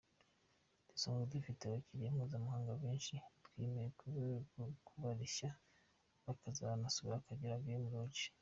Dusanzwe dufite abakiriya mpuzamahanga benshi, twiyemeje kubareshya bakazanasura Akagera Game Lodge.